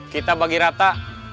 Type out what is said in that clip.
kita bagi rata